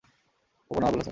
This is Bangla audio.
উপনাম: আবুল হাসান।